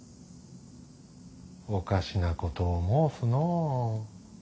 おかしなことを申すのう。